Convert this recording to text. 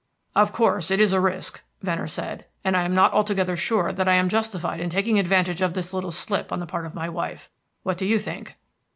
"Of course, it is a risk," Venner said, "and I am not altogether sure that I am justified in taking advantage of this little slip on the part of my wife. What do you think?"